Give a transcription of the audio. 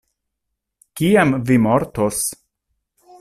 Kiam vi mortos?